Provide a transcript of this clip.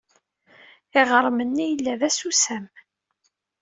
Iɣrem-nni yella d asusam.